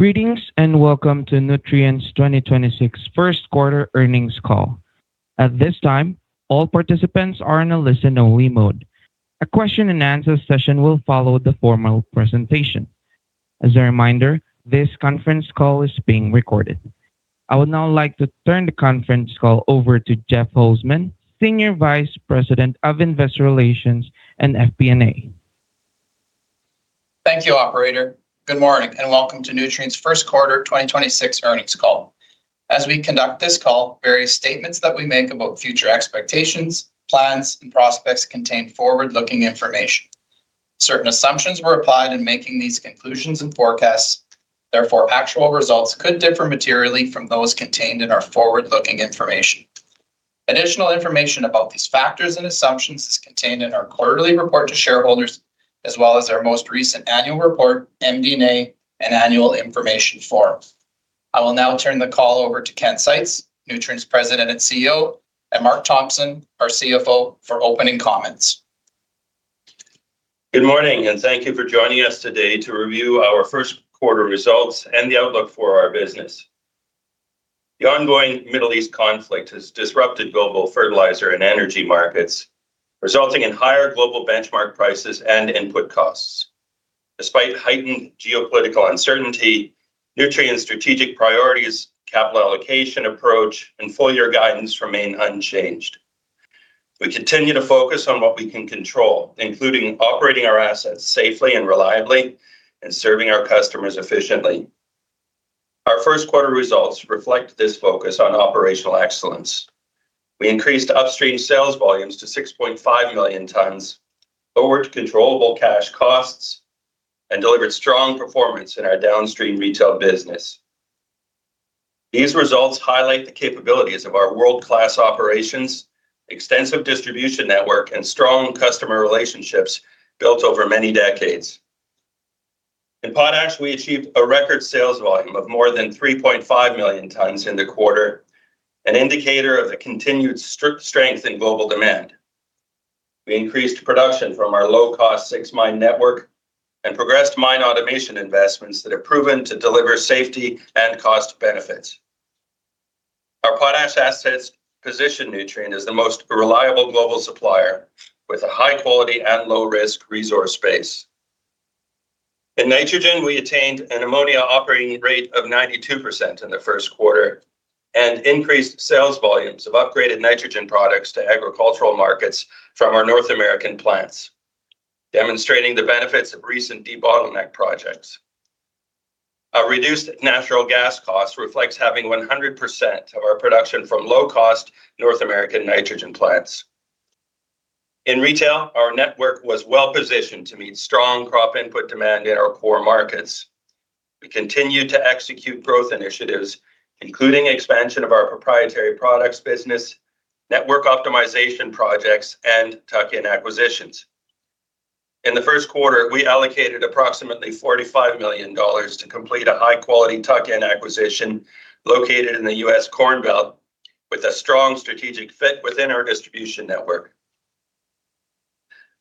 Greetings and welcome to Nutrien's 2026 first quarter earnings call. At this time, all participants are in a listen-only mode. A question and answer session will follow the formal presentation. As a reminder, this conference call is being recorded. I would now like to turn the conference call over to Jeff Holzman, Senior Vice President of Investor Relations and FP&A. Thank you, operator. Good morning, and welcome to Nutrien's first quarter 2026 earnings call. As we conduct this call, various statements that we make about future expectations, plans, and prospects contain forward-looking information. Certain assumptions were applied in making these conclusions and forecasts, therefore actual results could differ materially from those contained in our forward-looking information. Additional information about these factors and assumptions is contained in our quarterly report to shareholders, as well as our most recent annual report, MD&A, and annual information form. I will now turn the call over to Ken Seitz, Nutrien's President and CEO, and Mark Thompson, our CFO, for opening comments. Thank you for joining us today to review our first quarter results and the outlook for our business. The ongoing Middle East conflict has disrupted global fertilizer and energy markets, resulting in higher global benchmark prices and input costs. Despite heightened geopolitical uncertainty, Nutrien's strategic priorities, capital allocation approach, and full year guidance remain unchanged. We continue to focus on what we can control, including operating our assets safely and reliably and serving our customers efficiently. Our first quarter results reflect this focus on operational excellence. We increased upstream sales volumes to 6.5 million tons, lowered controllable cash costs, and delivered strong performance in our downstream retail business. These results highlight the capabilities of our world-class operations, extensive distribution network, and strong customer relationships built over many decades. In potash, we achieved a record sales volume of more than 3.5 million tons in the quarter, an indicator of the continued strength in global demand. We increased production from our low-cost six-mine network and progressed mine automation investments that have proven to deliver safety and cost benefits. Our potash assets position Nutrien as the most reliable global supplier with a high quality and low risk resource base. In nitrogen, we attained an ammonia operating rate of 92% in the first quarter and increased sales volumes of upgraded nitrogen products to agricultural markets from our North American plants, demonstrating the benefits of recent debottleneck projects. Our reduced natural gas cost reflects having 100% of our production from low-cost North American nitrogen plants. In retail, our network was well-positioned to meet strong crop input demand in our core markets. We continued to execute growth initiatives, including expansion of our proprietary products business, network optimization projects, and tuck-in acquisitions. In the first quarter, we allocated approximately $45 million to complete a high-quality tuck-in acquisition located in the U.S. Corn Belt with a strong strategic fit within our distribution network.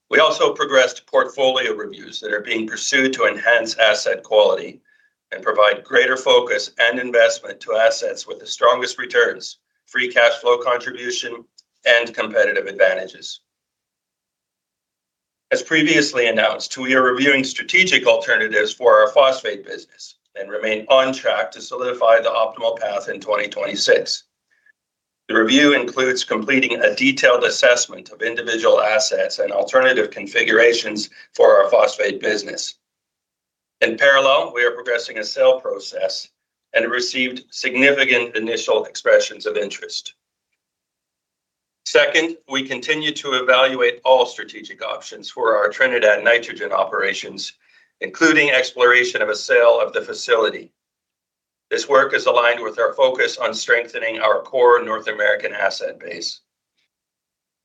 We also progressed portfolio reviews that are being pursued to enhance asset quality and provide greater focus and investment to assets with the strongest returns, free cash flow contribution, and competitive advantages. As previously announced, we are reviewing strategic alternatives for our phosphate business and remain on track to solidify the optimal path in 2026. The review includes completing a detailed assessment of individual assets and alternative configurations for our phosphate business. In parallel, we are progressing a sale process and received significant initial expressions of interest. Second, we continue to evaluate all strategic options for our Trinidad nitrogen operations, including exploration of a sale of the facility. This work is aligned with our focus on strengthening our core North American asset base.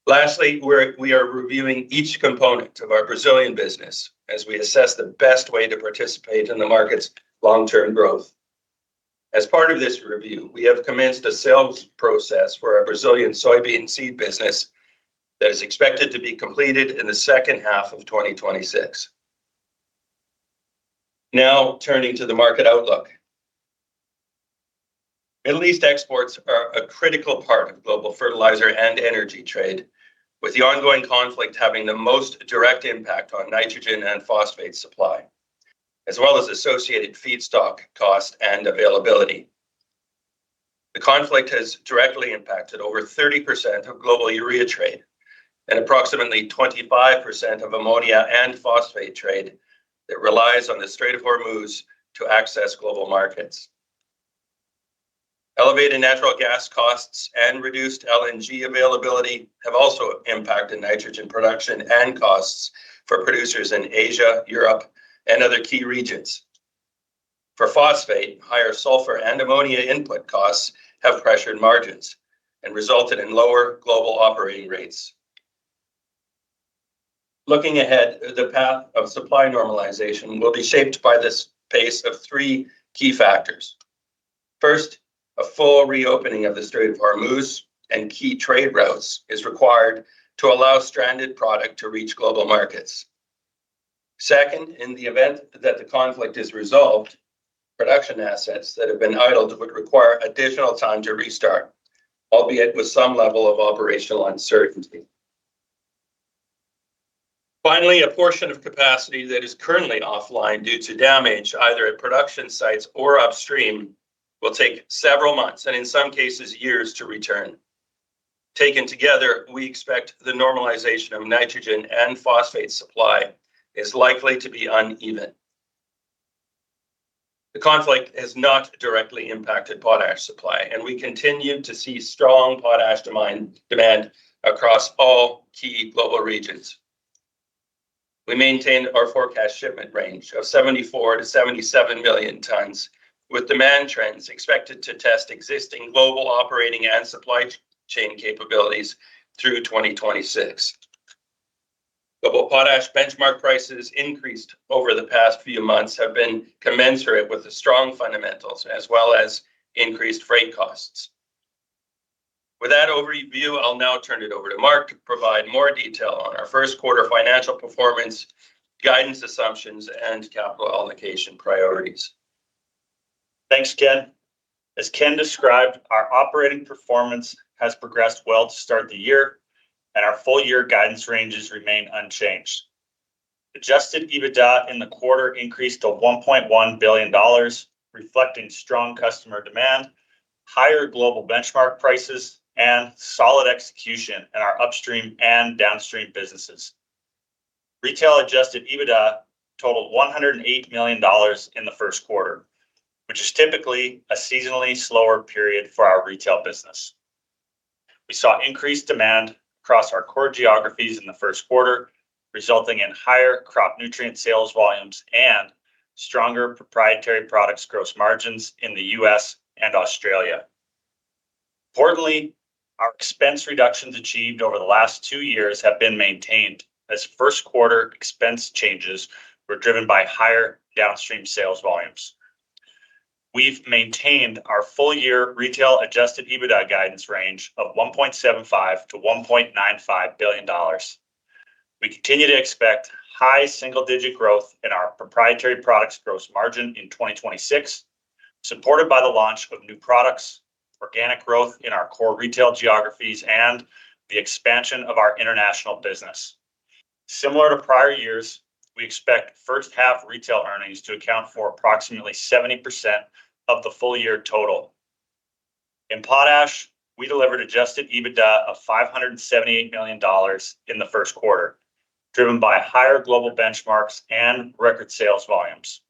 Lastly, we are reviewing each component of our Brazilian business as we assess the best way to participate in the market's long-term growth. As part of this review, we have commenced a sales process for our Brazilian soybean seed business that is expected to be completed in the second half of 2026. Now, turning to the market outlook. Middle East exports are a critical part of global fertilizer and energy trade, with the ongoing conflict having the most direct impact on nitrogen and phosphate supply, as well as associated feedstock cost and availability. The conflict has directly impacted over 30% of global urea trade and approximately 25% of ammonia and phosphate trade that relies on the Strait of Hormuz to access global markets. Elevated natural gas costs and reduced LNG availability have also impacted nitrogen production and costs for producers in Asia, Europe, and other key regions. For phosphate, higher sulfur and ammonia input costs have pressured margins and resulted in lower global operating rates. Looking ahead, the path of supply normalization will be shaped by this pace of three key factors. First, a full reopening of the Strait of Hormuz and key trade routes is required to allow stranded product to reach global markets. Second, in the event that the conflict is resolved, production assets that have been idled would require additional time to restart, albeit with some level of operational uncertainty. Finally, a portion of capacity that is currently offline due to damage, either at production sites or upstream, will take several months, and in some cases, years to return. Taken together, we expect the normalization of nitrogen and phosphate supply is likely to be uneven. The conflict has not directly impacted potash supply, and we continue to see strong potash demand across all key global regions. We maintain our forecast shipment range of 74 million-77 million tons, with demand trends expected to test existing global operating and supply chain capabilities through 2026. Global potash benchmark prices increased over the past few months have been commensurate with the strong fundamentals as well as increased freight costs. With that overview, I'll now turn it over to Mark to provide more detail on our first quarter financial performance, guidance assumptions, and capital allocation priorities. Thanks, Ken. As Ken described, our operating performance has progressed well to start the year, and our full year guidance ranges remain unchanged. Adjusted EBITDA in the quarter increased to $1.1 billion, reflecting strong customer demand, higher global benchmark prices, and solid execution in our upstream and downstream businesses. Retail adjusted EBITDA totaled $108 million in the first quarter, which is typically a seasonally slower period for our retail business. We saw increased demand across our core geographies in the first quarter, resulting in higher crop nutrients sales volumes and stronger proprietary products gross margins in the U.S. and Australia. Importantly, our expense reductions achieved over the last two years have been maintained as first quarter expense changes were driven by higher downstream sales volumes. We've maintained our full year retail adjusted EBITDA guidance range of $1.75 billion-$1.95 billion. We continue to expect high single-digit growth in our proprietary products gross margin in 2026, supported by the launch of new products, organic growth in our core retail geographies, and the expansion of our international business. Similar to prior years, we expect first half retail earnings to account for approximately 70% of the full year total. In potash, we delivered adjusted EBITDA of $578 million in the first quarter, driven by higher global benchmarks and record sales volumes.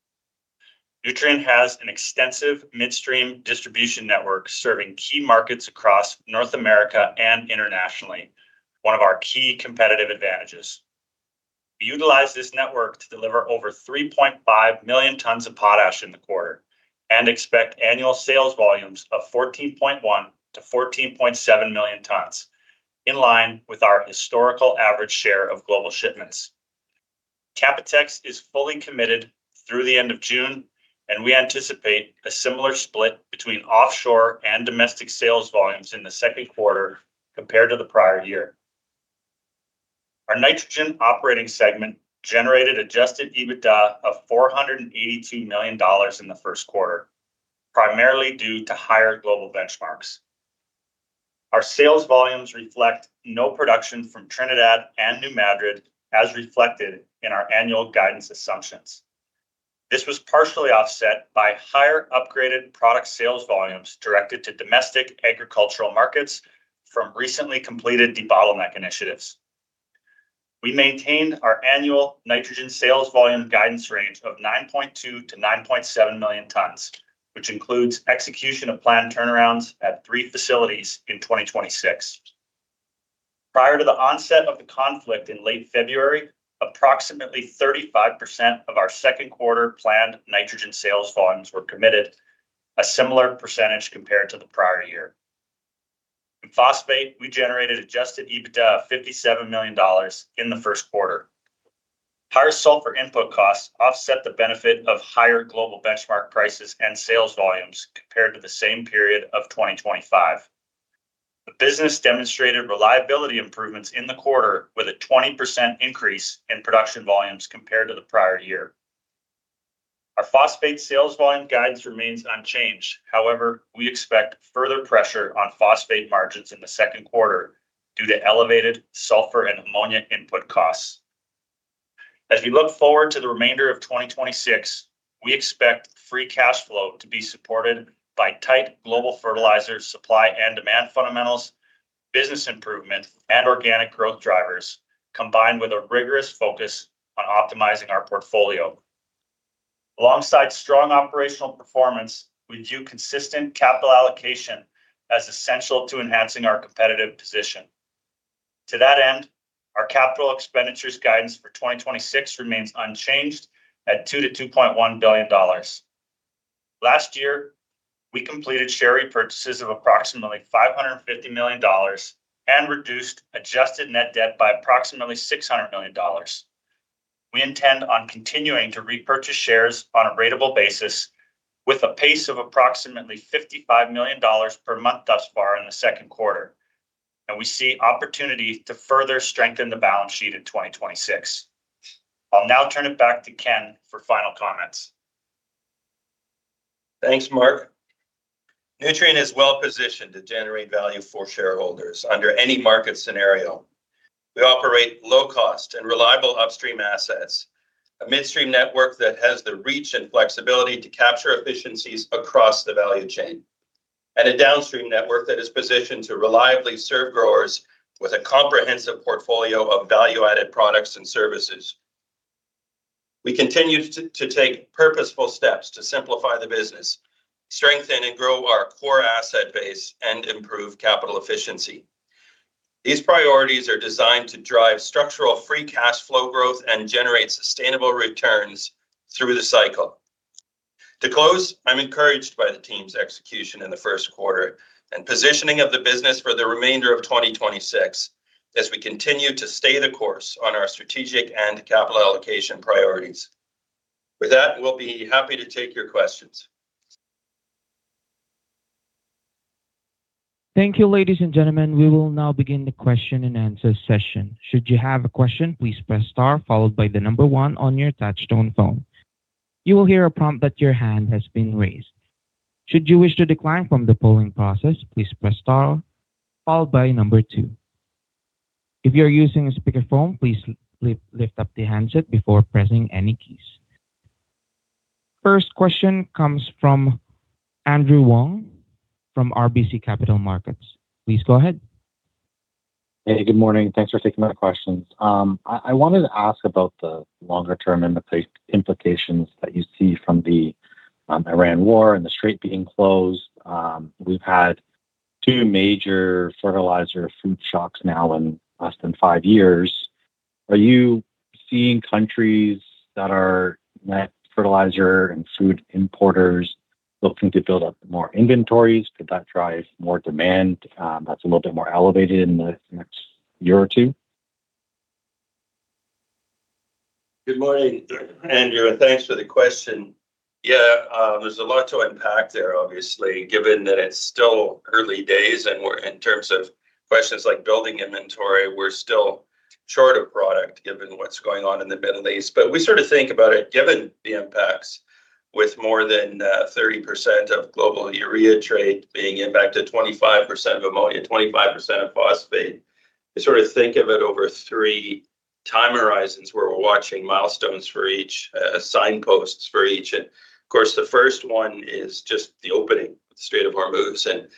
Nutrien has an extensive midstream distribution network serving key markets across North America and internationally, one of our key competitive advantages. We utilized this network to deliver over 3.5 million tons of potash in the quarter and expect annual sales volumes of 14.1 million-14.7 million tons, in line with our historical average share of global shipments. Canpotex is fully committed through the end of June, and we anticipate a similar split between offshore and domestic sales volumes in the second quarter compared to the prior year. Our nitrogen operating segment generated adjusted EBITDA of $482 million in the first quarter, primarily due to higher global benchmarks. Our sales volumes reflect no production from Trinidad and New Madrid, as reflected in our annual guidance assumptions. This was partially offset by higher upgraded product sales volumes directed to domestic agricultural markets from recently completed debottleneck initiatives. We maintain our annual nitrogen sales volume guidance range of 9.2 million-9.7 million tons, which includes execution of planned turnarounds at three facilities in 2026. Prior to the onset of the conflict in late February, approximately 35% of our second quarter planned nitrogen sales volumes were committed, a similar percentage compared to the prior year. In phosphate, we generated adjusted EBITDA of $57 million in the first quarter. Higher sulfur input costs offset the benefit of higher global benchmark prices and sales volumes compared to the same period of 2025. The business demonstrated reliability improvements in the quarter, with a 20% increase in production volumes compared to the prior year. Our phosphate sales volume guidance remains unchanged. However, we expect further pressure on phosphate margins in the second quarter due to elevated sulfur and ammonia input costs. As we look forward to the remainder of 2026, we expect free cash flow to be supported by tight global fertilizer supply and demand fundamentals, business improvement and organic growth drivers, combined with a rigorous focus on optimizing our portfolio. Alongside strong operational performance, we view consistent capital allocation as essential to enhancing our competitive position. To that end, our capital expenditures guidance for 2026 remains unchanged at $2 billion-$2.1 billion. Last year, we completed share repurchases of approximately $550 million and reduced adjusted net debt by approximately $600 million. We intend on continuing to repurchase shares on a ratable basis with a pace of approximately $55 million per month thus far in the second quarter, and we see opportunity to further strengthen the balance sheet in 2026. I'll now turn it back to Ken for final comments. Thanks, Mark. Nutrien is well-positioned to generate value for shareholders under any market scenario. We operate low cost and reliable upstream assets, a midstream network that has the reach and flexibility to capture efficiencies across the value chain, and a downstream network that is positioned to reliably serve growers with a comprehensive portfolio of value-added products and services. We continue to take purposeful steps to simplify the business, strengthen and grow our core asset base, and improve capital efficiency. These priorities are designed to drive structural free cash flow growth and generate sustainable returns through the cycle. To close, I'm encouraged by the team's execution in the first quarter and positioning of the business for the remainder of 2026 as we continue to stay the course on our strategic and capital allocation priorities. With that, we'll be happy to take your questions. Thank you, ladies and gentlemen. We will now begin the question and answer session. Should you have a question, please press star followed by number one on your touch-tone phone. You will hear a prompt that your hand has been raised. Should you wish to decline from the polling process, please press star followed by number two. If you're using a speakerphone, please lift up the handset before pressing any keys. First question comes from Andrew Wong from RBC Capital Markets. Please go ahead. Hey, good morning. Thanks for taking my questions. I wanted to ask about the longer term implications that you see from the Iran war and the Strait being closed. We've had two major fertilizer food shocks now in less than five years. Are you seeing countries that are net fertilizer and food importers looking to build up more inventories? Could that drive more demand that's a little bit more elevated in the next year or two? Good morning, Andrew, and thanks for the question. Yeah, there's a lot to unpack there, obviously, given that it's still early days, and we're, in terms of questions like building inventory, we're still short of product given what's going on in the Middle East. We sort of think about it, given the impacts with more than 30% of global urea trade being impacted, 25% of ammonia, 25% of phosphate. We sort of think of it over three time horizons, where we're watching milestones for each, signposts for each. Of course, the first one is just the opening of the Strait of Hormuz and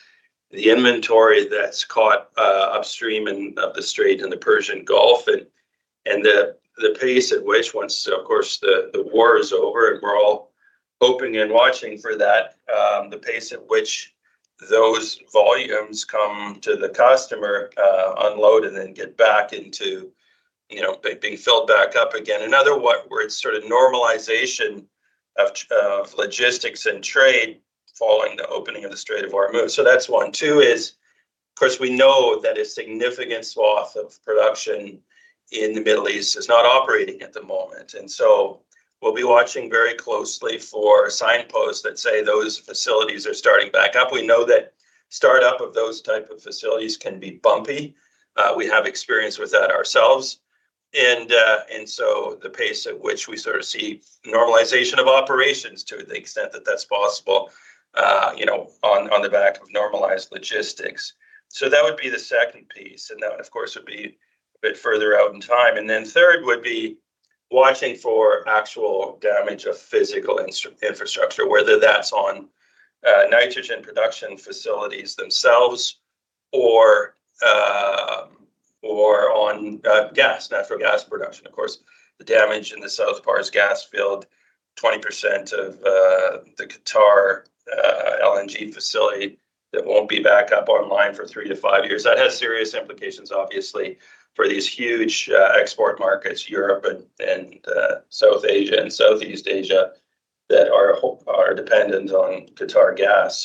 the inventory that's caught upstream and up the strait in the Persian Gulf and the pace at which once, of course, the war is over, and we're all hoping and watching for that, the pace at which those volumes come to the customer, unload and then get back into being filled back up again. Another one where it's sort of normalization of logistics and trade following the opening of the Strait of Hormuz. So that's one. Two is, of course, we know that a significant swath of production in the Middle East is not operating at the moment. We'll be watching very closely for signposts that say those facilities are starting back up. We know that startup of those type of facilities can be bumpy. We have experience with that ourselves. The pace at which we sort of see normalization of operations to the extent that that's possible, you know, on the back of normalized logistics. That would be the second piece, and that, of course, would be a bit further out in time. Third would be watching for actual damage of physical infrastructure, whether that's on nitrogen production facilities themselves or on natural gas production. Of course, the damage in the South Pars gas field, 20% of the Qatar LNG facility that won't be back up online for three to five years. That has serious implications, obviously, for these huge export markets, Europe and South Asia and Southeast Asia, that are dependent on Qatar gas.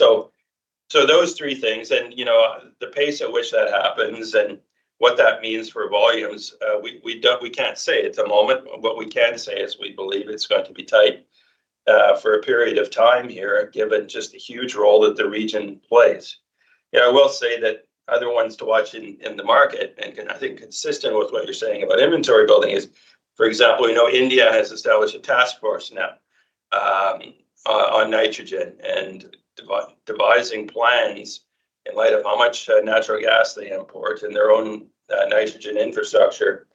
Those three things and, you know, the pace at which that happens and what that means for volumes, we can't say at the moment. What we can say is we believe it's going to be tight for a period of time here, given just the huge role that the region plays. You know, I will say that other ones to watch in the market, I think consistent with what you're saying about inventory building is, for example, you know, India has established a task force now on nitrogen and devising plans in light of how much natural gas they import and their own nitrogen infrastructure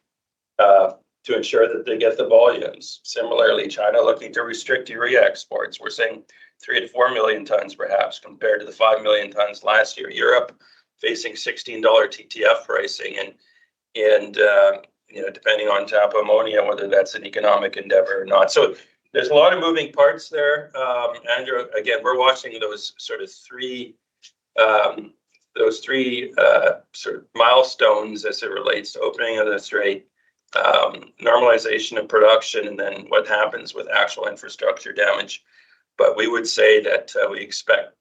to ensure that they get the volumes. Similarly, China looking to restrict urea exports. We're seeing 3 million-4 million tons perhaps compared to the 5 million tons last year. Europe facing $16 TTF pricing and, you know, depending on type of ammonia, whether that's an economic endeavor or not. There's a lot of moving parts there. Andrew, again, we're watching those sort of three, those three, sort of milestones as it relates to opening of the strait, normalization of production, and then what happens with actual infrastructure damage. We would say that, we expect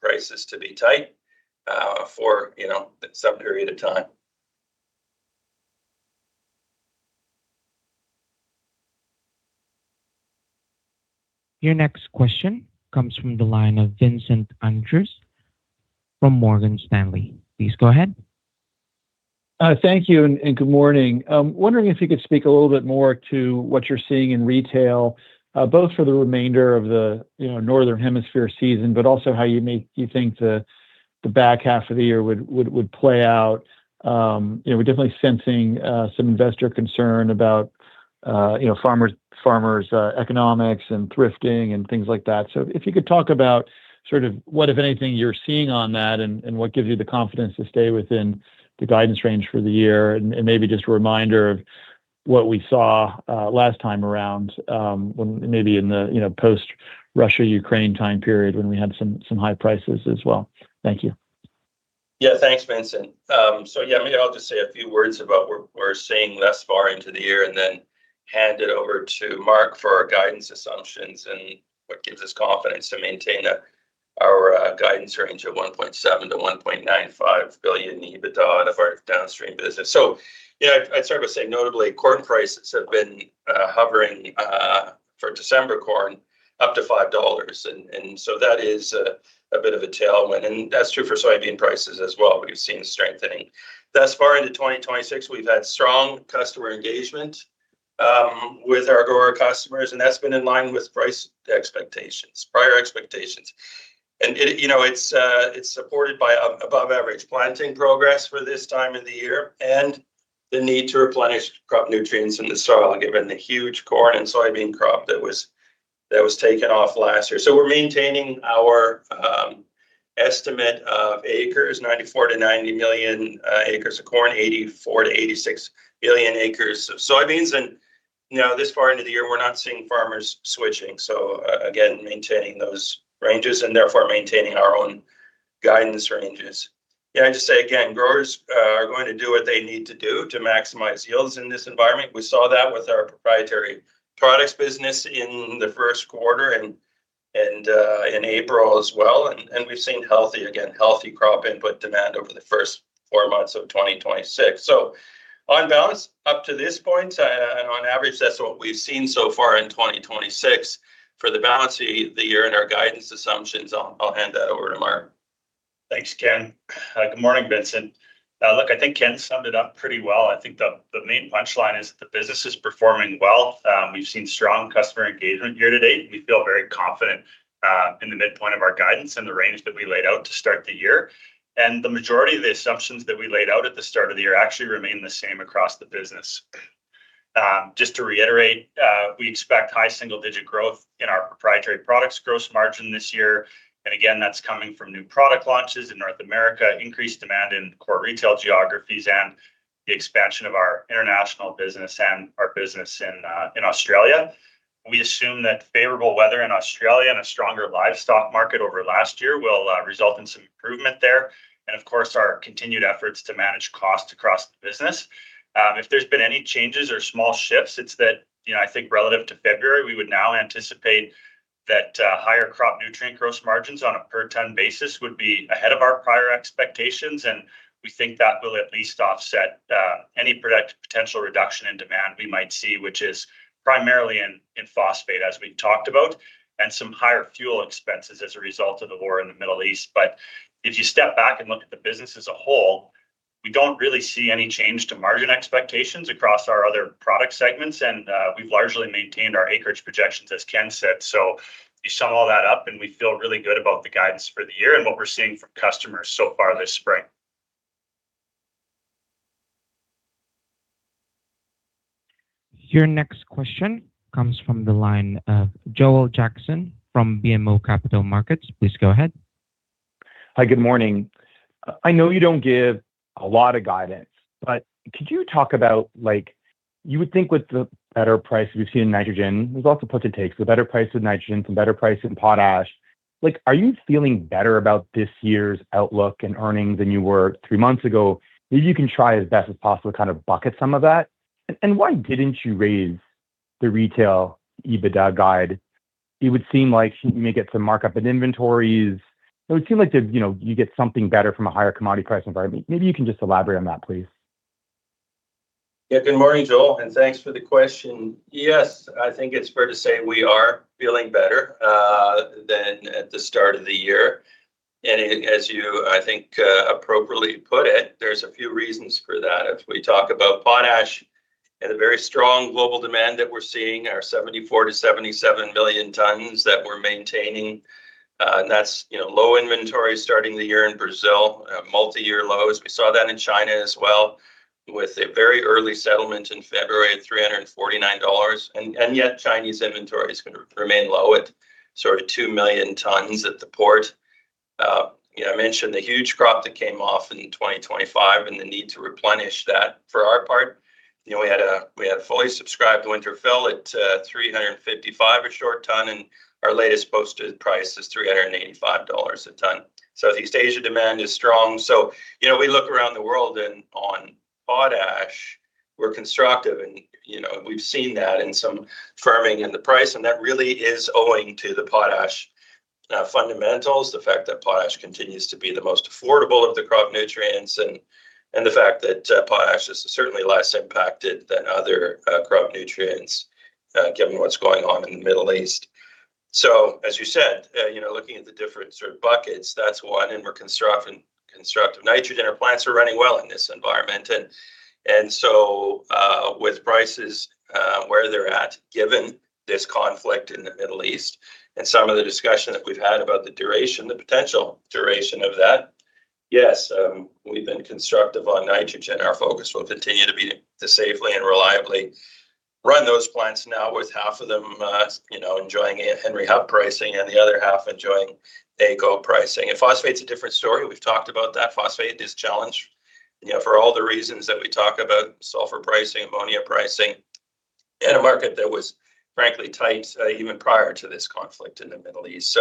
prices to be tight, for, you know, some period of time. Your next question comes from the line of Vincent Andrews from Morgan Stanley. Please go ahead. Thank you and good morning. I'm wondering if you could speak a little bit more to what you're seeing in retail, both for the remainder of the, you know, northern hemisphere season, but also how you think the back half of the year would play out. You know, we're definitely sensing some investor concern about, you know, farmers' economics and thrifting and things like that. If you could talk about sort of what, if anything, you're seeing on that and what gives you the confidence to stay within the guidance range for the year. And maybe just a reminder of what we saw last time around, when maybe in the, you know, post Russia, Ukraine time period when we had some high prices as well. Thank you. Thanks, Vincent. Maybe I'll just say a few words about what we're seeing thus far into the year and then hand it over to Mark for our guidance assumptions and what gives us confidence to maintain our guidance range of $1.7 billion-$1.95 billion EBITDA of our downstream business. I'd start by saying notably corn prices have been hovering for December corn up to $5 and that is a bit of a tailwind, and that's true for soybean prices as well. We've seen strengthening. Thus far into 2026 we've had strong customer engagement with our grower customers, and that's been in line with price expectations, prior expectations. It, you know, it's supported by above average planting progress for this time of the year and the need to replenish crop nutrients in the soil given the huge corn and soybean crop that was taken off last year. We're maintaining our estimate of acres, 94 million-90 million acres of corn, 84 million-86 million acres of soybeans. You know, this far into the year we're not seeing farmers switching, so again, maintaining those ranges and therefore maintaining our own guidance ranges. I'd just say again, growers are going to do what they need to do to maximize yields in this environment. We saw that with our proprietary products business in the first quarter and in April as well. We've seen healthy, again, healthy crop input demand over the first four months of 2026. On balance up to this point, and on average, that's what we've seen so far in 2026. For the balance of the year and our guidance assumptions, I'll hand that over to Mark. Thanks, Ken. Good morning, Vincent. Look, I think Ken summed it up pretty well. I think the main punchline is that the business is performing well. We've seen strong customer engagement year to date. We feel very confident in the midpoint of our guidance and the range that we laid out to start the year. The majority of the assumptions that we laid out at the start of the year actually remain the same across the business. Just to reiterate, we expect high single-digit growth in our proprietary products gross margin this year. Again, that's coming from new product launches in North America, increased demand in core retail geographies, and the expansion of our international business and our business in Australia. We assume that favorable weather in Australia and a stronger livestock market over last year will result in some improvement there and of course our continued efforts to manage cost across the business. If there's been any changes or small shifts, it's that, you know, I think relative to February, we would now anticipate that higher crop nutrient gross margins on a per ton basis would be ahead of our prior expectations. We think that will at least offset any product potential reduction in demand we might see, which is primarily in phosphate as we talked about, and some higher fuel expenses as a result of the war in the Middle East. If you step back and look at the business as a whole, we don't really see any change to margin expectations across our other product segments and we've largely maintained our acreage projections as Ken said. You sum all that up, and we feel really good about the guidance for the year and what we're seeing from customers so far this spring. Your next question comes from the line of Joel Jackson from BMO Capital Markets. Please go ahead. Hi, good morning. I know you don't give a lot of guidance, but could you talk about, like, you would think with the better price we've seen in nitrogen, there's lots of puts and takes, the better price with nitrogen, some better price in potash. Like, are you feeling better about this year's outlook and earnings than you were three months ago? Maybe you can try as best as possible to kind of bucket some of that. Why didn't you raise the retail EBITDA guide? It would seem like you may get some markup in inventories. It would seem like the, you know, you get something better from a higher commodity price environment. Maybe you can just elaborate on that please. Good morning, Joel, thanks for the question. Yes, I think it's fair to say we are feeling better than at the start of the year. As you, I think, appropriately put it, there's a few reasons for that. If we talk about potash at a very strong global demand that we're seeing are 74 million-77 million tons that we're maintaining, and that's, you know, low inventory starting the year in Brazil at multi-year lows. We saw that in China as well with a very early settlement in February at $349 and yet Chinese inventory is gonna remain low at sort of 2 million tons at the port. You know, I mentioned the huge crop that came off in 2025 and the need to replenish that. For our part, you know, we had a fully subscribed winter fill at $355 a short ton, and our latest posted price is $385 a ton. Southeast Asia demand is strong. You know, we look around the world and on potash. We're constructive and, you know, we've seen that in some firming in the price, and that really is owing to the potash fundamentals, the fact that potash continues to be the most affordable of the crop nutrients and the fact that potash is certainly less impacted than other crop nutrients given what's going on in the Middle East. As you said, you know, looking at the different sort of buckets, that's one, and we're constructive on nitrogen, our plants are running well in this environment. With prices where they're at, given this conflict in the Middle East and some of the discussion that we've had about the duration, the potential duration of that, yes, we've been constructive on nitrogen. Our focus will continue to be to safely and reliably run those plants now with half of them, you know, enjoying Henry Hub pricing and the other half enjoying AECO pricing. Phosphate's a different story. We've talked about that. Phosphate is challenged, you know, for all the reasons that we talk about, sulfur pricing, ammonia pricing, in a market that was frankly tight, even prior to this conflict in the Middle East.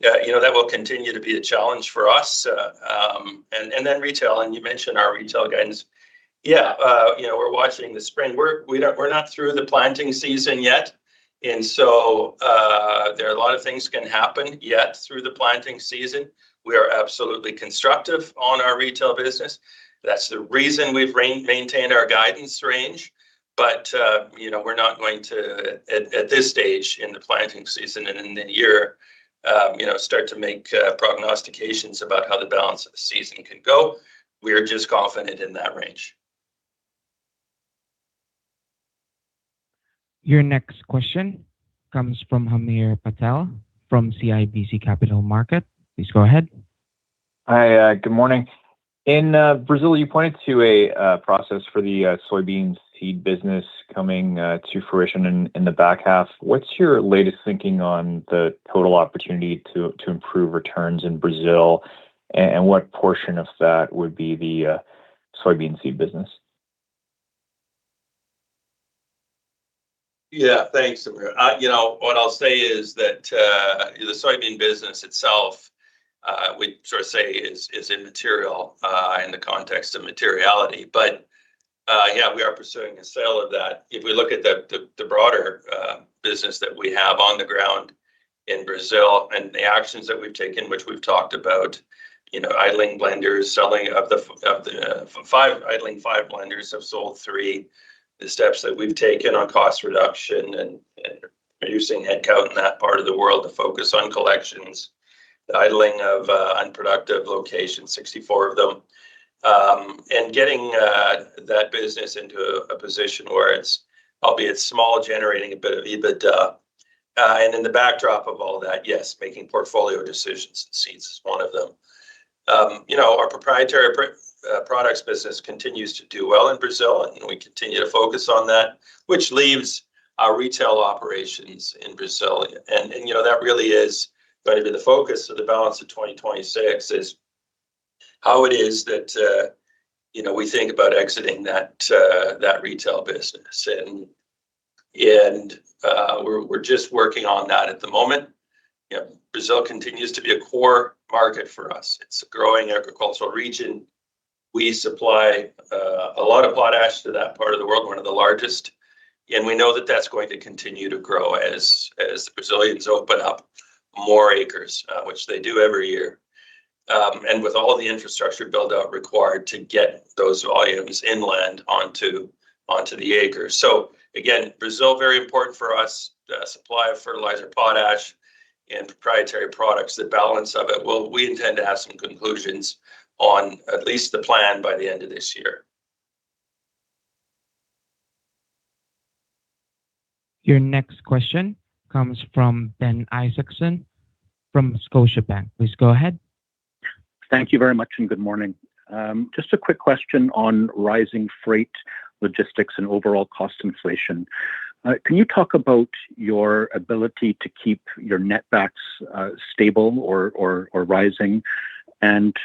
You know, that will continue to be a challenge for us. Retail, and you mentioned our retail guidance. Yeah, you know, we're watching the spring. We're not through the planting season yet. There are a lot of things can happen yet through the planting season. We are absolutely constructive on our retail business. That's the reason we've maintained our guidance range. You know, we're not going to at this stage in the planting season and in the year, you know, start to make prognostications about how the balance of the season can go. We are just confident in that range. Your next question comes from Hamir Patel from CIBC Capital Markets. Please go ahead. Hi. Good morning. In Brazil, you pointed to a process for the soybean seed business coming to fruition in the back half. What's your latest thinking on the total opportunity to improve returns in Brazil? What portion of that would be the soybean seed business? Thanks, Hamir. You know, what I'll say is that the soybean business itself, we'd sort of say is immaterial in the context of materiality. Yeah, we are pursuing a sale of that. If we look at the, the broader business that we have on the ground in Brazil and the actions that we've taken, which we've talked about, you know, idling blenders, idling five blenders, have sold three. The steps that we've taken on cost reduction and reducing headcount in that part of the world to focus on collections, the idling of unproductive locations, 64 of them. And getting that business into a position where it's, albeit small, generating a bit of EBITDA. And in the backdrop of all that, yes, making portfolio decisions. Seeds is one of them. You know, our proprietary products business continues to do well in Brazil, and we continue to focus on that, which leaves our retail operations in Brazil. You know, that really is going to be the focus of the balance of 2026, is how it is that, you know, we think about exiting that retail business. We're just working on that at the moment. You know, Brazil continues to be a core market for us. It's a growing agricultural region. We supply a lot of potash to that part of the world, one of the largest, and we know that that's going to continue to grow as the Brazilians open up more acres, which they do every year, and with all the infrastructure build-out required to get those volumes inland onto the acres. Brazil, very important for us. The supply of fertilizer, potash, and proprietary products, the balance of it. We intend to have some conclusions on at least the plan by the end of this year. Your next question comes from Ben Isaacson from Scotiabank. Please go ahead. Thank you very much, and good morning. Just a quick question on rising freight logistics and overall cost inflation. Can you talk about your ability to keep your net backs stable or rising?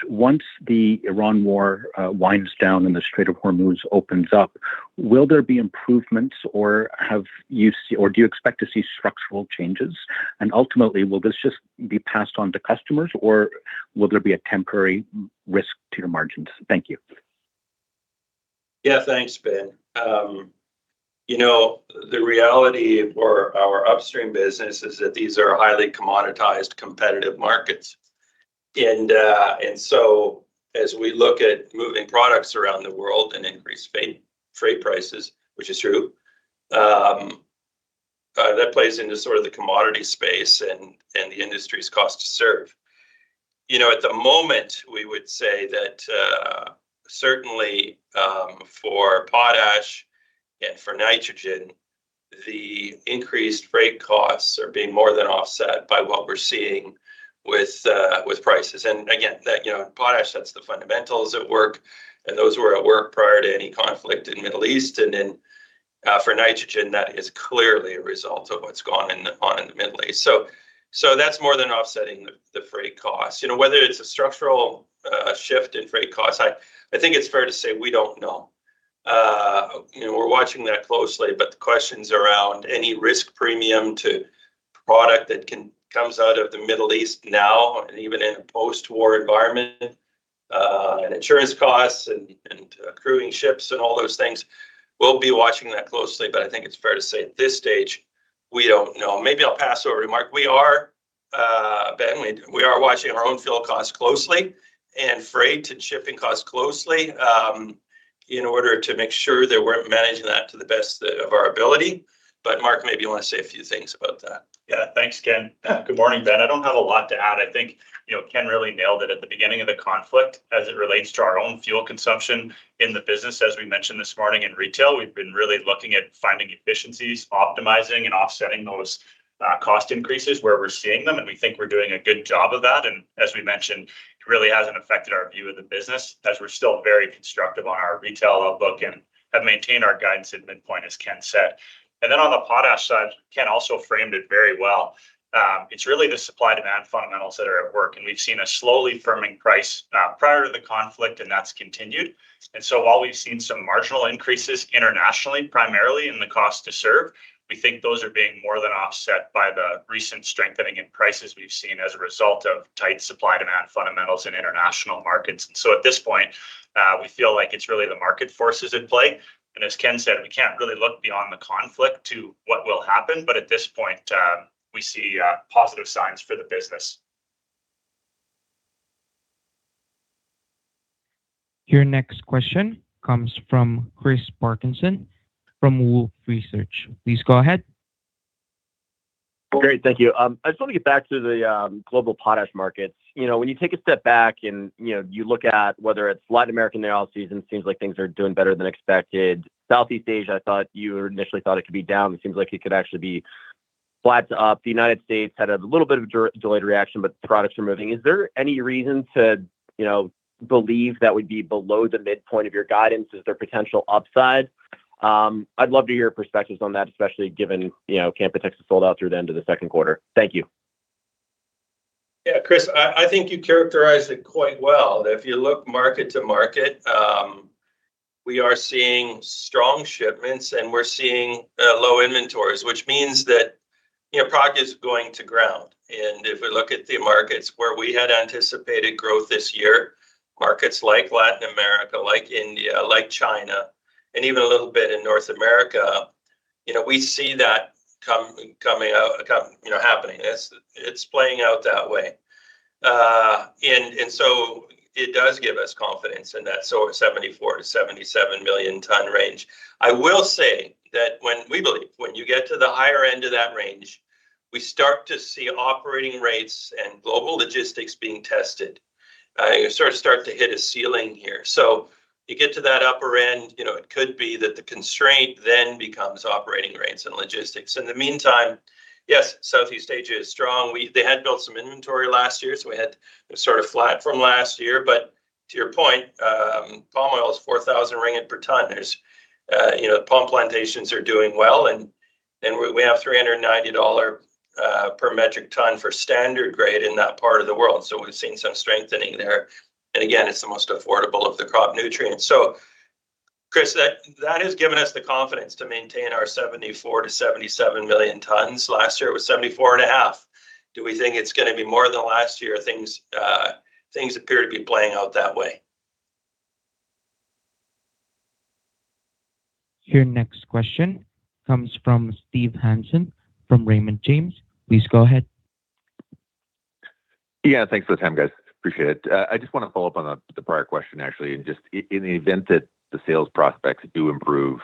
Once the Iran war winds down and the Strait of Hormuz opens up, will there be improvements or do you expect to see structural changes? Ultimately, will this just be passed on to customers, or will there be a temporary risk to your margins? Thank you. Yeah. Thanks, Ben. You know, the reality for our upstream business is that these are highly commoditized competitive markets. As we look at moving products around the world and increased freight prices, which is true, that plays into sort of the commodity space and the industry's cost to serve. You know, at the moment, we would say that certainly for potash and for nitrogen, the increased freight costs are being more than offset by what we're seeing with prices. Again, that, you know, potash, that's the fundamentals at work, and those were at work prior to any conflict in Middle East. Then for nitrogen, that is clearly a result of what's gone in, on in the Middle East. So that's more than offsetting the freight costs. You know, whether it's a structural shift in freight costs, I think it's fair to say we don't know. You know, we're watching that closely, but the questions around any risk premium Product that comes out of the Middle East now, and even in a post-war environment, and insurance costs and crewing ships and all those things, we'll be watching that closely. I think it's fair to say at this stage, we don't know. Maybe I'll pass over to Mark. We are, Ben, we are watching our own fuel costs closely and freight and shipping costs closely, in order to make sure that we're managing that to the best of our ability. Mark, maybe you wanna say a few things about that. Yeah, thanks, Ken. Good morning, Ben. I don't have a lot to add. I think, you know, Ken really nailed it at the beginning of the conflict as it relates to our own fuel consumption in the business. As we mentioned this morning, in retail, we've been really looking at finding efficiencies, optimizing and offsetting those cost increases where we're seeing them, and we think we're doing a good job of that. As we mentioned, it really hasn't affected our view of the business, as we're still very constructive on our retail outlook and have maintained our guidance at midpoint, as Ken said. On the potash side, Ken also framed it very well. It's really the supply-demand fundamentals that are at work, and we've seen a slowly firming price prior to the conflict, and that's continued. While we've seen some marginal increases internationally, primarily in the cost to serve, we think those are being more than offset by the recent strengthening in prices we've seen as a result of tight supply-demand fundamentals in international markets. At this point, we feel like it's really the market forces at play. As Ken said, we can't really look beyond the conflict to what will happen, but at this point, we see positive signs for the business. Your next question comes from Chris Parkinson from Wolfe Research. Please go ahead. Great. Thank you. I just wanna get back to the global potash markets. You know, when you take a step back and, you know, you look at whether it's Latin American off-season, it seems like things are doing better than expected. Southeast Asia, I thought you initially thought it could be down. It seems like it could actually be flat to up. The United States had a little bit of delayed reaction, but products are moving. Is there any reason to, you know, believe that would be below the midpoint of your guidance? Is there potential upside? I'd love to hear your perspectives on that, especially given, you know, Canpotex sold out through the end of the second quarter. Thank you. Yeah, Chris, I think you characterized it quite well. If you look market to market, we are seeing strong shipments, and we're seeing low inventories, which means that, you know, product is going to ground. If we look at the markets where we had anticipated growth this year, markets like Latin America, like India, like China, and even a little bit in North America, you know, we see that coming out, you know, happening. It's playing out that way. It does give us confidence in that sort of 74 million-77 million ton range. I will say that when you get to the higher end of that range, we start to see operating rates and global logistics being tested, you sort of start to hit a ceiling here. You get to that upper end, you know, it could be that the constraint then becomes operating rates and logistics. In the meantime, yes, Southeast Asia is strong. They had built some inventory last year, so we had sort of flat from last year. To your point, palm oil is 4,000 ringgit per ton. There's, you know, palm plantations are doing well, and we have $390 per metric ton for standard grade in that part of the world. We're seeing some strengthening there. Again, it's the most affordable of the crop nutrients. Chris, that has given us the confidence to maintain our 74 million-77 million tons. Last year it was 74.5 million. Do we think it's going to be more than last year? Things appear to be playing out that way. Your next question comes from Steve Hansen from Raymond James. Please go ahead. Yeah. Thanks for the time, guys. Appreciate it. I just wanna follow up on the prior question, actually. Just in the event that the sales prospects do improve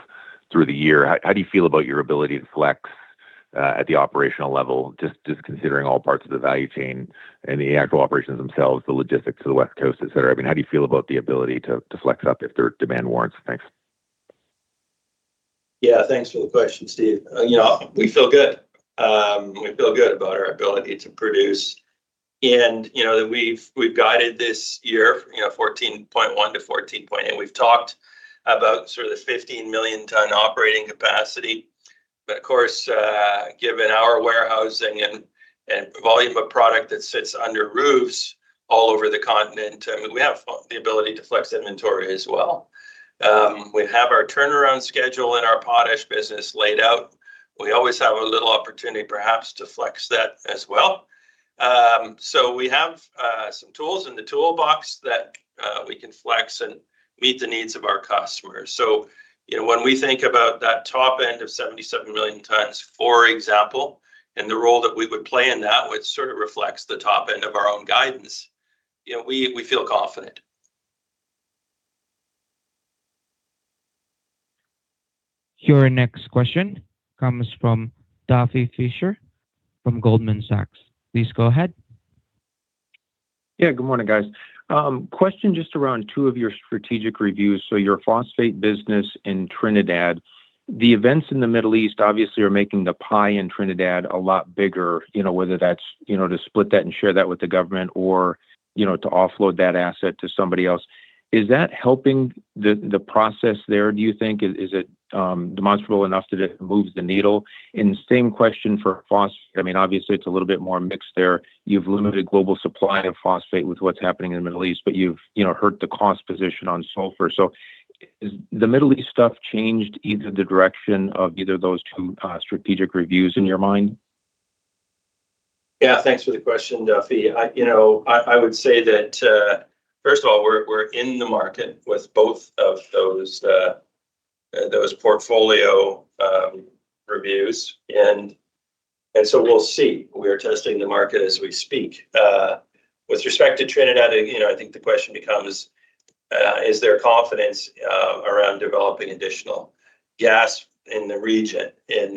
through the year, how do you feel about your ability to flex at the operational level, just considering all parts of the value chain and the actual operations themselves, the logistics to the West Coast, et cetera? I mean, how do you feel about the ability to flex up if their demand warrants? Thanks. Yeah, thanks for the question, Steve. You know, we feel good. We feel good about our ability to produce. You know, that we've guided this year, you know, 14.1 million-14.8 million. We've talked about sort of the 15 million ton operating capacity. Of course, given our warehousing and volume of product that sits under roofs all over the continent, I mean, we have the ability to flex inventory as well. We have our turnaround schedule in our potash business laid out. We always have a little opportunity perhaps to flex that as well. We have some tools in the toolbox that we can flex and meet the needs of our customers. You know, when we think about that top end of 77 million tons, for example, and the role that we would play in that, which sort of reflects the top end of our own guidance, you know, we feel confident. Your next question comes from Duffy Fischer from Goldman Sachs. Please go ahead. Yeah. Good morning, guys. Question just around two of your strategic reviews. Your phosphate business in Trinidad. The events in the Middle East obviously are making the pie in Trinidad a lot bigger. You know, whether that's, you know, to split that and share that with the government or, you know, to offload that asset to somebody else. Is that helping the process there, do you think? Is it demonstrable enough to move the needle? Same question for phosphate. I mean obviously it's a little bit more mixed there. You've limited global supply of phosphate with what's happening in the Middle East, but you've, you know, hurt the cost position on sulfur. Is the Middle East stuff changed either the direction of either of those two strategic reviews in your mind? Yeah, thanks for the question, Duffy. I, you know, I would say that, first of all, we're in the market with both of those portfolio reviews. We'll see. We're testing the market as we speak. With respect to Trinidad, you know, I think the question becomes, is there confidence around developing additional gas in the region in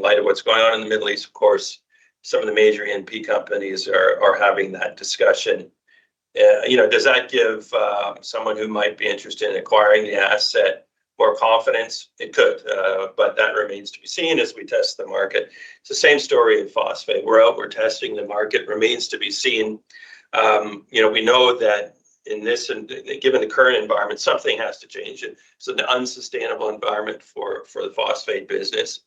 light of what's going on in the Middle East? Of course, some of the major LNG companies are having that discussion. You know, does that give someone who might be interested in acquiring the asset more confidence? It could, that remains to be seen as we test the market. It's the same story in phosphate. We're out. We're testing the market. Remains to be seen. You know, we know that in this and given the current environment, something has to change. It's an unsustainable environment for the phosphate business.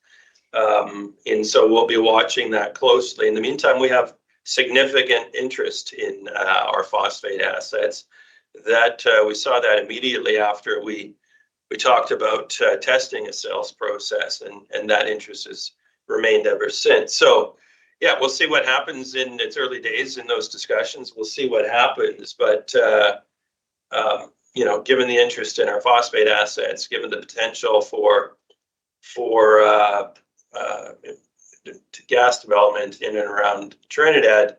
We'll be watching that closely. In the meantime, we have significant interest in our phosphate assets that we saw that immediately after we talked about testing a sales process, and that interest has remained ever since. Yeah, we'll see what happens. It's early days in those discussions. We'll see what happens. You know, given the interest in our phosphate assets, given the potential for gas development in and around Trinidad,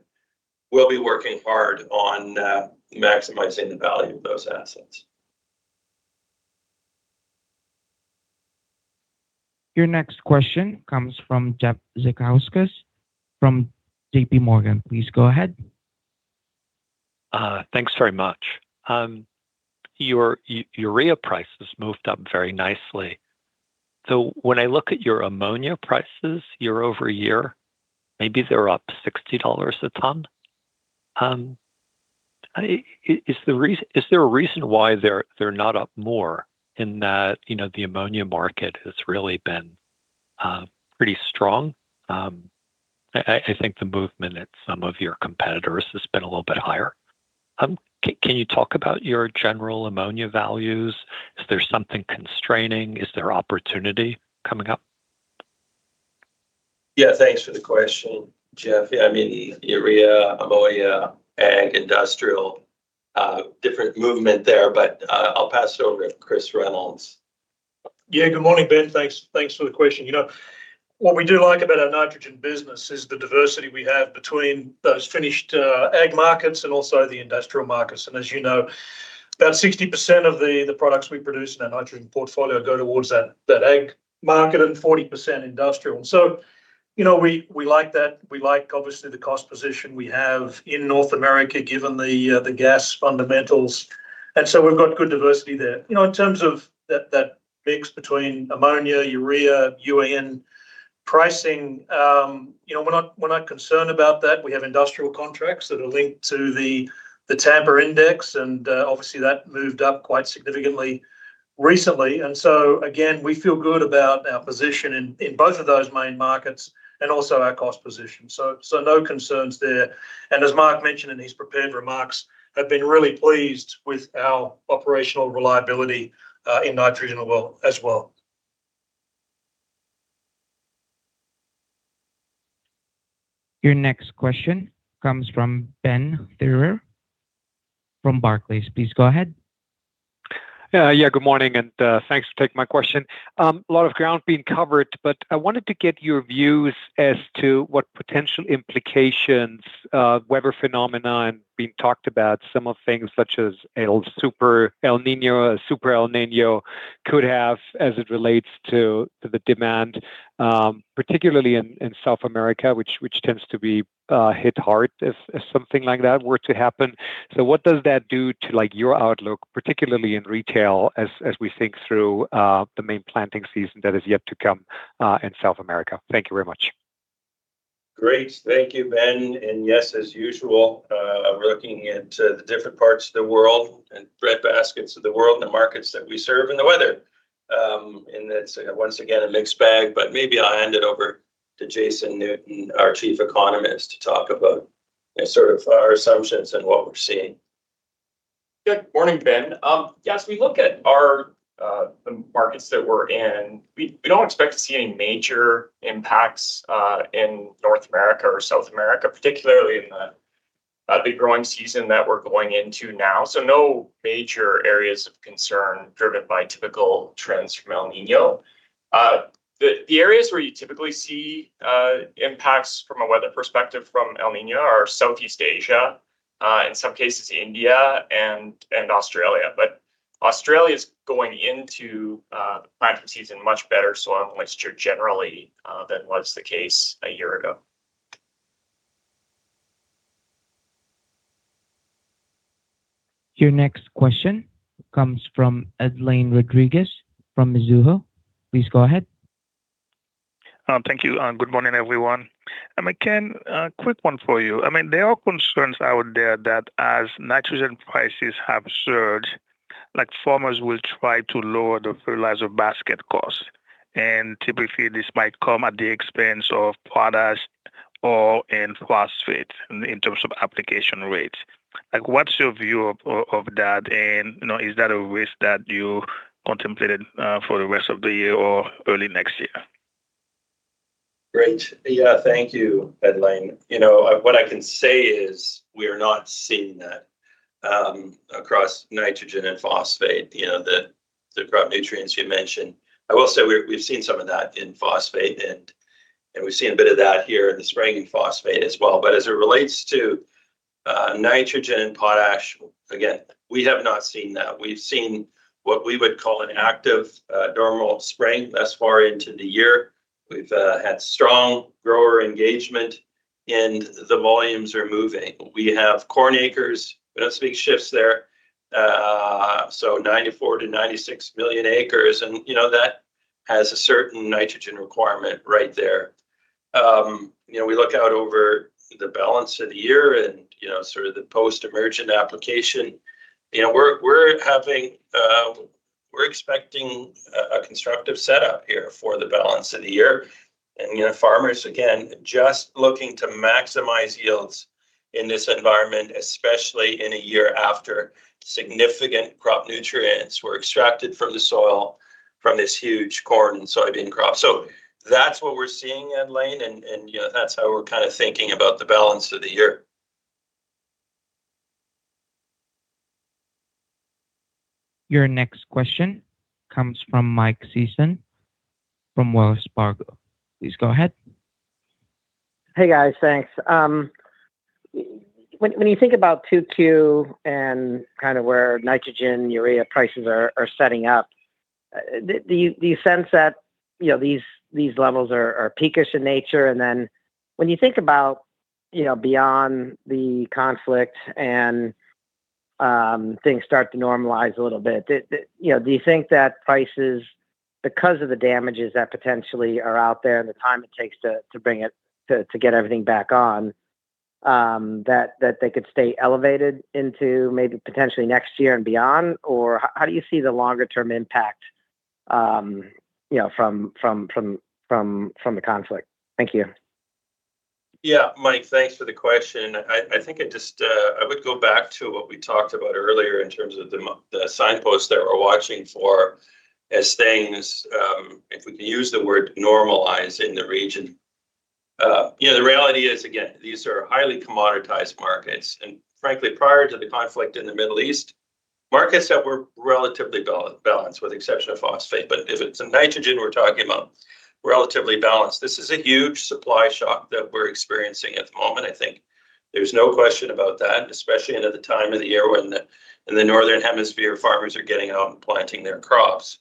we'll be working hard on maximizing the value of those assets. Your next question comes from Jeff Zekauskas from JPMorgan. Please go ahead. Thanks very much. Your urea prices moved up very nicely. When I look at your ammonia prices year-over-year, maybe they're up $60 a ton. Is the reason, is there a reason why they're not up more in that, you know, the ammonia market has really been pretty strong? I, I think the movement at some of your competitors has been a little bit higher. Can you talk about your general ammonia values? Is there something constraining? Is there opportunity coming up? Yeah, thanks for the question, Jeff. Yeah, I mean, urea, ammonia, ag, industrial, different movement there, but I'll pass it over to Chris Reynolds. Yeah, good morning, Ben. Thanks for the question. You know, what we do like about our nitrogen business is the diversity we have between those finished ag markets and also the industrial markets. As you know, about 60% of the products we produce in our nitrogen portfolio go towards that ag market and 40% industrial. You know, we like that. We like, obviously, the cost position we have in North America given the gas fundamentals. We've got good diversity there. You know, in terms of that mix between ammonia, urea, UAN pricing, you know, we're not concerned about that. We have industrial contracts that are linked to the Tampa index and obviously that moved up quite significantly recently. Again, we feel good about our position in both of those main markets and also our cost position. No concerns there. As Mark mentioned in his prepared remarks, have been really pleased with our operational reliability in nitrogen as well. Your next question comes from Ben Theurer from Barclays. Please go ahead. Yeah. Good morning, and thanks for taking my question. A lot of ground being covered, but I wanted to get your views as to what potential implications, weather phenomena and being talked about, some of things such as Super El Niño could have as it relates to the demand, particularly in South America, which tends to be, hit hard if something like that were to happen. What does that do to, like, your outlook, particularly in retail as we think through, the main planting season that is yet to come, in South America? Thank you very much. Great. Thank you, Ben. As usual, we're looking into the different parts of the world and bread baskets of the world and the markets that we serve and the weather. It's once again, a mixed bag, but maybe I'll hand it over to Jason Newton, our Chief Economist, to talk about sort of our assumptions and what we're seeing. Good morning, Ben. As we look at our markets that we're in, we don't expect to see any major impacts in North America or South America, particularly in the growing season that we're going into now. No major areas of concern driven by typical trends from El Niño. The areas where you typically see impacts from a weather perspective from El Niño are Southeast Asia, in some cases India and Australia. Australia's going into planting season much better soil moisture generally than was the case a year ago. Your next question comes from Edlain Rodriguez from Mizuho. Please go ahead. Thank you, good morning, everyone. Ken, A quick one for you. I mean, there are concerns out there that as nitrogen prices have surged, like farmers will try to lower the fertilizer basket cost. Typically this might come at the expense of potash or, and phosphate in terms of application rates. Like, what's your view of that? You know, is that a risk that you contemplated for the rest of the year or early next year? Great. Yeah, thank you, Edlain. You know, what I can say is we are not seeing that across nitrogen and phosphate, you know, the crop nutrients you mentioned. I will say we've seen some of that in phosphate and we've seen a bit of that here in the spring in phosphate as well. As it relates to nitrogen and potash, again, we have not seen that. We've seen what we would call an active, normal spring thus far into the year. We've had strong grower engagement and the volumes are moving. We have corn acres, you know, seeing shifts there. 94 million-96 million acres and, you know, that has a certain nitrogen requirement right there. You know, we look out over the balance of the year and, you know, sort of the post-emergent application. You know, we're expecting a constructive setup here for the balance of the year. You know, farmers again just looking to maximize yields in this environment, especially in a year after significant crop nutrients were extracted from the soil from this huge corn and soybean crop. That's what we're seeing, Edlain, and, you know, that's how we're kind of thinking about the balance of the year. Your next question comes from Mike Sison from Wells Fargo. Please go ahead. Hey, guys. Thanks. When you think about 2Q and kind of where nitrogen, urea prices are setting up, do you sense that, you know, these levels are peakish in nature? When you think about, you know, beyond the conflict and things start to normalize a little bit, you know, do you think that prices because of the damages that potentially are out there and the time it takes to bring it to get everything back on, that they could stay elevated into maybe potentially next year and beyond? How do you see the longer term impact, you know, from the conflict? Thank you. Yeah. Mike, thanks for the question. I think I'd just, I would go back to what we talked about earlier in terms of the signposts that we're watching for as things, if we can use the word normalize in the region. You know, the reality is again, these are highly commoditized markets. Frankly prior to the conflict in the Middle East, markets that were relatively balanced with exception of phosphate. If it's nitrogen we're talking about, relatively balanced. This is a huge supply shock that we're experiencing at the moment I think. There's no question about that, especially at the time of the year when in the Northern Hemisphere, farmers are getting out and planting their crops.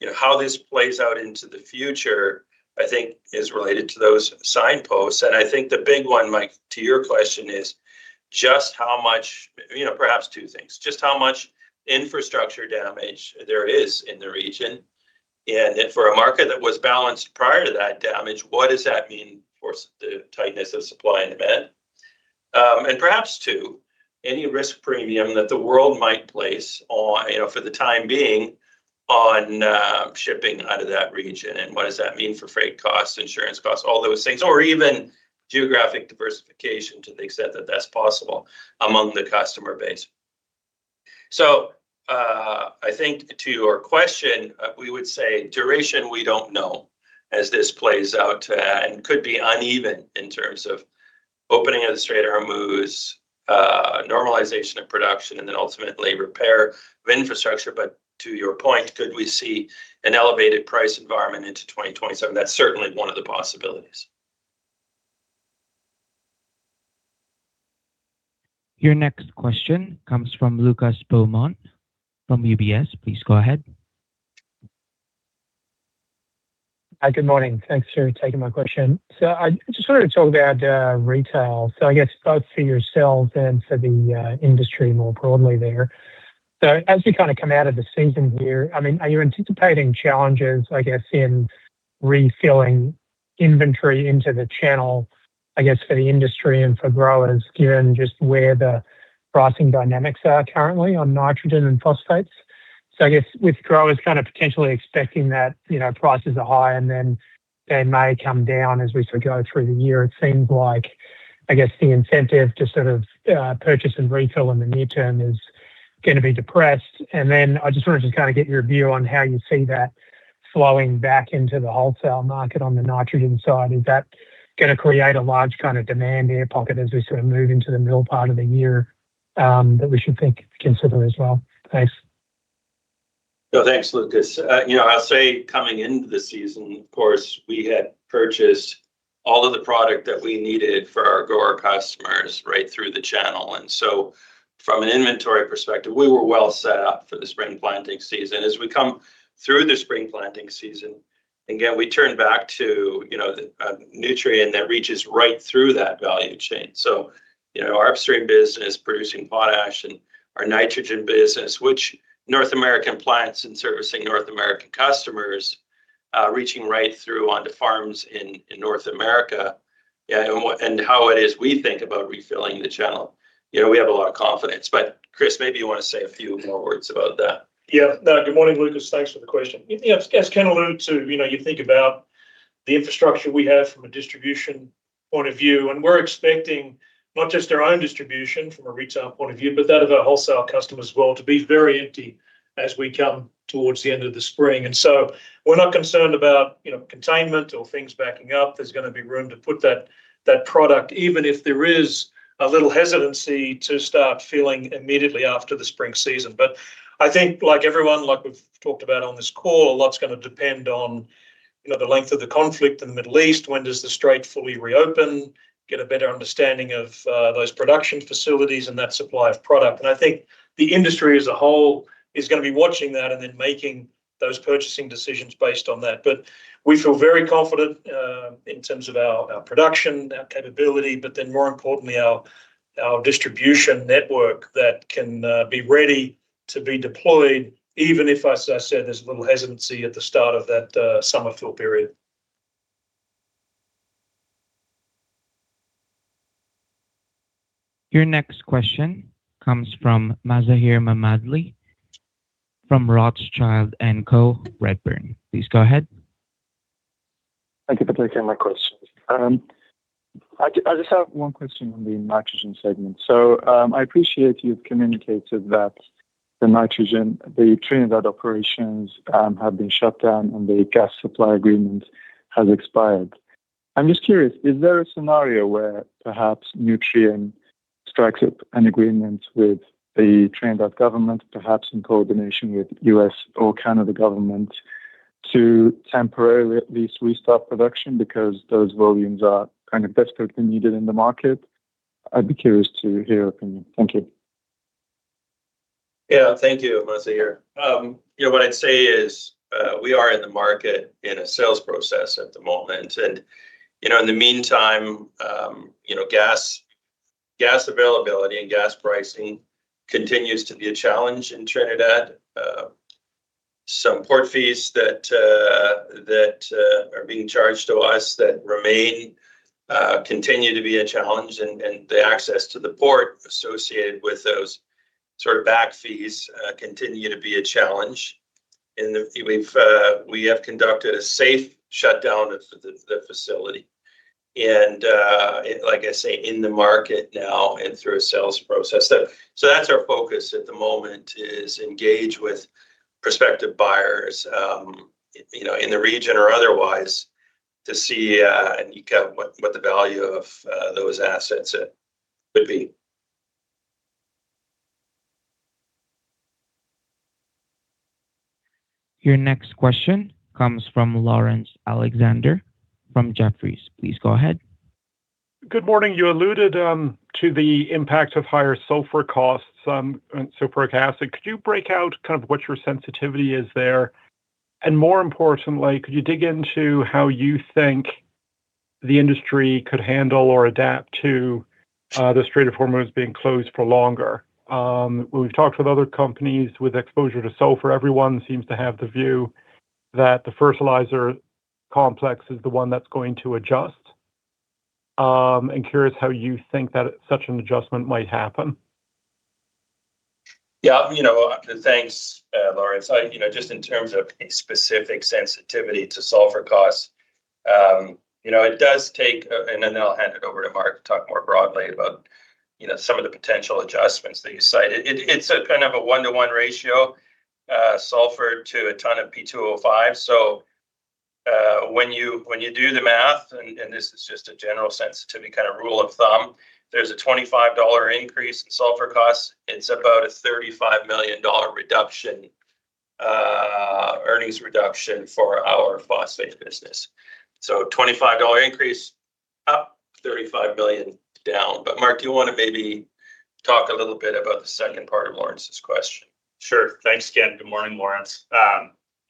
You know, how this plays out into the future I think is related to those signposts. I think the big one, Mike, to your question is just how much, you know, perhaps two things. Just how much infrastructure damage there is in the region. For a market that was balanced prior to that damage, what does that mean for the tightness of supply and demand? Perhaps two, any risk premium that the world might place on, you know, for the time being on shipping out of that region and what does that mean for freight costs, insurance costs, all those things. Even geographic diversification to the extent that that's possible among the customer base. I think to your question, we would say duration we don't know as this plays out and could be uneven in terms of opening of the Strait of Hormuz, normalization of production, and then ultimately repair of infrastructure. To your point, could we see an elevated price environment into 2027? That's certainly one of the possibilities. Your next question comes from Lucas Beaumont from UBS. Please go ahead. Hi. Good morning. Thanks for taking my question. I just wanted to talk about retail. I guess both for yourselves and for the industry more broadly there. As we kind of come out of the season here, I mean, are you anticipating challenges, I guess, in refilling inventory into the channel, I guess, for the industry and for growers, given just where the pricing dynamics are currently on nitrogen and phosphates? I guess with growers kind of potentially expecting that, you know, prices are high and then they may come down as we sort of go through the year, it seems like I guess the incentive to sort of purchase and retail in the near term is gonna be depressed. I just wanted to kind of get your view on how you see that flowing back into the wholesale market on the nitrogen side. Is that gonna create a large kind of demand air pocket as we sort of move into the middle part of the year, that we should think, consider as well? Thanks. Thanks, Lucas. You know, I'll say coming into the season, of course, we had purchased all of the product that we needed for our grower customers right through the channel. From an inventory perspective, we were well set up for the spring planting season. As we come through the spring planting season, again, we turn back to, you know, Nutrien that reaches right through that value chain. You know, our upstream business producing potash and our nitrogen business, which North American plants and servicing North American customers, reaching right through onto farms in North America. How it is we think about refilling the channel. You know, we have a lot of confidence. Chris, maybe you wanna say a few more words about that. Yeah, good morning, Lucas, thanks for the question. You know, as Ken alluded to, you know, you think about the infrastructure we have from a distribution point of view, we're expecting not just our own distribution from a retail point of view, but that of our wholesale customers as well to be very empty as we come towards the end of the spring. We're not concerned about, you know, containment or things backing up. There's gonna be room to put that product, even if there is a little hesitancy to start filling immediately after the spring season. I think, like everyone, like we've talked about on this call, a lot's gonna depend on, you know, the length of the conflict in the Middle East, when does the strait fully reopen, get a better understanding of those production facilities and that supply of product. I think the industry as a whole is gonna be watching that and then making those purchasing decisions based on that. We feel very confident in terms of our production, our capability, but then more importantly our distribution network that can be ready to be deployed, even if, as I said, there's a little hesitancy at the start of that summer fill period. Your next question comes from Mazahir Mammadli from Rothschild & Co Redburn. Please go ahead. Thank you for taking my question. I just have one question on the nitrogen segment. I appreciate you've communicated that the nitrogen, the Trinidad operations, have been shut down and the gas supply agreement has expired. I'm just curious, is there a scenario where perhaps Nutrien strikes up an agreement with the Trinidad government, perhaps in coordination with U.S. or Canada government, to temporarily at least restart production because those volumes are kind of desperately needed in the market? I'd be curious to hear your opinion. Thank you. Yeah. Thank you, Mazahir. You know, what I'd say is, we are in the market in a sales process at the moment and, you know, in the meantime, you know, gas availability and gas pricing continues to be a challenge in Trinidad. Some port fees that are being charged to us that remain, continue to be a challenge and the access to the port associated with those sort of back fees, continue to be a challenge. We have conducted a safe shutdown of the facility and, like I say, in the market now and through a sales process. That's our focus at the moment is engage with prospective buyers, you know, in the region or otherwise to see and kind of what the value of those assets could be. Your next question comes from Laurence Alexander from Jefferies. Please go ahead. Good morning. You alluded to the impact of higher sulfur costs and sulfuric acid. Could you break out kind of what your sensitivity is there? More importantly, could you dig into how you think the industry could handle or adapt to the Strait of Hormuz being closed for longer? When we've talked with other companies with exposure to sulfur, everyone seems to have the view that the fertilizer complex is the one that's going to adjust. I'm curious how you think that such an adjustment might happen. You know, thanks, Laurence. I, you know, just in terms of a specific sensitivity to sulfur costs, you know, it does take, and then I'll hand it over to Mark to talk more broadly about, you know, some of the potential adjustments that you cited. It's a kind of a 1:1 ratio, sulfur to a ton of P2O5. When you do the math, and this is just a general sensitivity kind of rule of thumb, there's a $25 increase in sulfur costs, it's about a $35 million reduction, earnings reduction for our phosphate business. $25 increase, up $35 million down. Mark, do you wanna maybe talk a little bit about the second part of Laurence's question? Sure. Thanks Ken. Good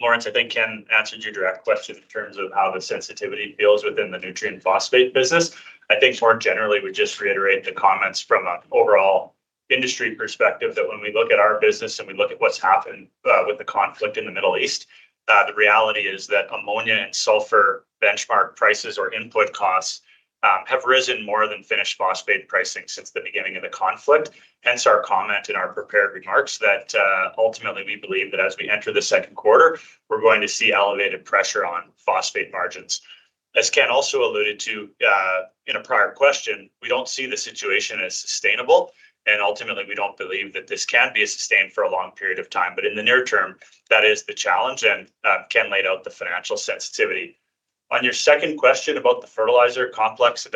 morning, Laurence. Laurence, I think Ken answered your direct question in terms of how the sensitivity feels within the Nutrien phosphate business. I think more generally we just reiterate the comments from an overall industry perspective that when we look at our business and we look at what's happened with the conflict in the Middle East, the reality is that ammonia and sulfur benchmark prices or input costs have risen more than finished phosphate pricing since the beginning of the conflict. Hence our comment in our prepared remarks that ultimately we believe that as we enter the second quarter, we're going to see elevated pressure on phosphate margins. As Ken also alluded to in a prior question, we don't see the situation as sustainable, and ultimately we don't believe that this can be sustained for a long period of time. In the near term, that is the challenge, and Ken laid out the financial sensitivity. On your second question about the fertilizer complex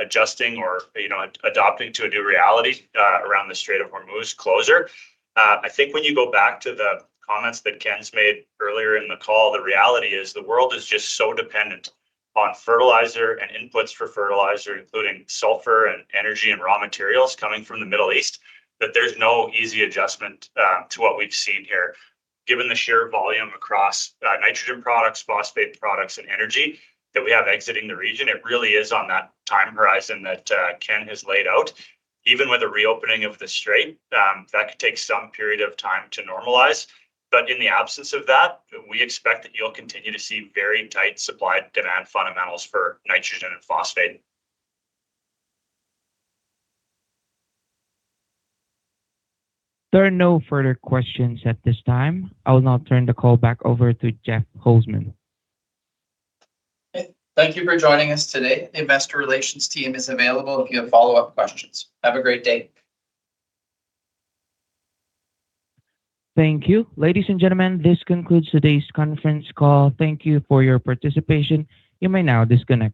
adjusting or, you know, adapting to a new reality around the Strait of Hormuz closure, I think when you go back to the comments that Ken's made earlier in the call, the reality is the world is just so dependent on fertilizer and inputs for fertilizer, including sulfur and energy and raw materials coming from the Middle East, that there's no easy adjustment to what we've seen here. Given the sheer volume across nitrogen products, phosphate products, and energy that we have exiting the region, it really is on that time horizon that Ken has laid out. Even with a reopening of the strait, that could take some period of time to normalize. In the absence of that, we expect that you'll continue to see very tight supply-demand fundamentals for nitrogen and phosphate. There are no further questions at this time. I will now turn the call back over to Jeff Holzman. Thank you for joining us today. The investor relations team is available if you have follow-up questions. Have a great day. Thank you. Ladies and gentlemen, this concludes today's conference call. Thank you for your participation. You may now disconnect.